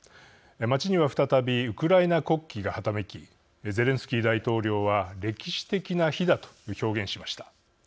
町には再びウクライナ国旗がはためきゼレンスキー大統領は歴史的な日だと表現しました。